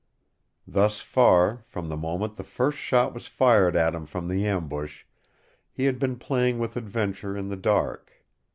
Thus far, from the moment the first shot was fired at him from the ambush, he had been playing with adventure in the dark.